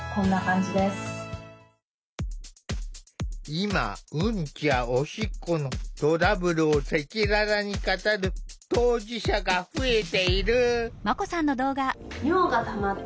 今ウンチやオシッコのトラブルを赤裸々に語る当事者が増えている。